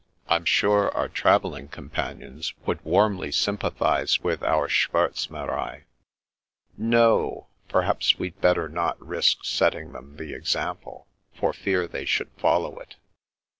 I'm sure our travelling com panions would warmly sympathize with our schwdr mere%y " No o, perhaps we'd better not risk setting them the example, for fear they should follow it."